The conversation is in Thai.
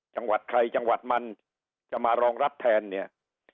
จังหวัดใครจังหวัดมันจะมารองรับแทนเนี่ย